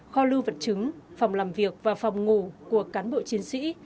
kho lưu vật chứng phòng làm việc và phòng ngủ của cán bộ chiến sĩ